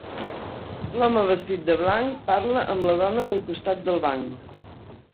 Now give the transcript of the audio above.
L'home vestit de blanc parla amb la dona del costat del banc.